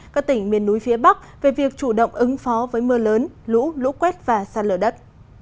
các tỉnh miền núi phía bắc về việc chủ động ứng phó với mưa lớn lũ lũ quét và sạt lở đất